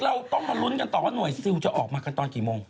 เราต้องมาลุ้นกันต่อว่าหน่วยซิลจะออกมากันตอนกี่โมง